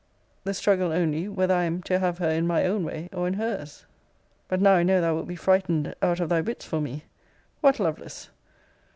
The struggle only, Whether I am to have her in my own way, or in her's? But now I know thou wilt be frightened out of thy wits for me What, Lovelace!